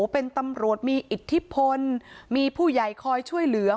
เป็นตำรวจมีอิทธิพลมีผู้ใหญ่คอยช่วยเหลือ